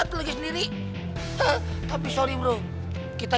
oh lagi nungguin pacar lo ya